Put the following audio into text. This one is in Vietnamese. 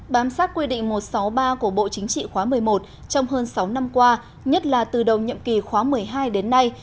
bám sát quy định một trăm sáu mươi ba của bộ chính trị khóa một mươi một trong hơn sáu năm qua nhất là từ đầu nhậm kỳ khóa một mươi hai đến nay